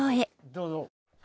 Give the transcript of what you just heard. どうぞ。